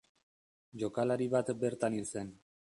Jokalari bat bertan hil zen.